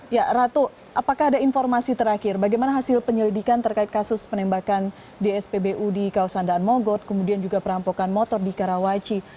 ya ratu apakah ada informasi terakhir bagaimana hasil penyelidikan terkait kasus penembakan di spbu di kawasan daan mogot kemudian juga perampokan motor di karawaci